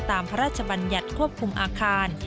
พระราชบัญญัติควบคุมอาคาร